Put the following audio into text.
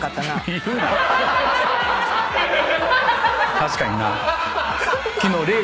確かにな。